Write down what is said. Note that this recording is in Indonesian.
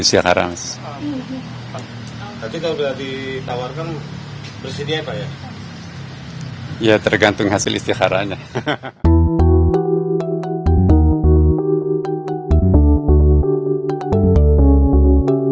saya belum istihara mas